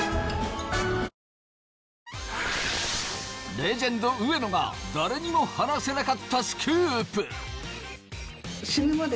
レジェンド上野が誰にも話せなかったスクープ！